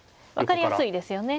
分かりやすいですよね